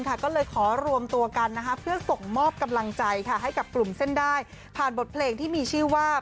ส่งตัวผ่าวังคงมีต้องดีกว่า